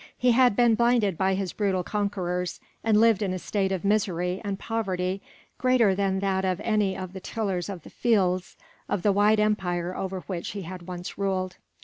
He had been blinded by his brutal conquerors, and lived in a state of misery, and poverty, greater than that of any of the tillers of the fields of the wide empire over which he had once ruled.